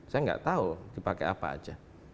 saya nggak tahu dipakai apa aja